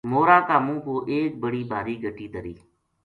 مور ا کا منہ پو ایک بڑی بھاری گَٹی دھری